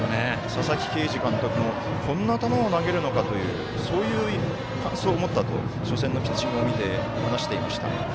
佐々木啓司監督もこんな球を投げるのかというそういう感想を持ったと初戦のピッチングを見て話していました。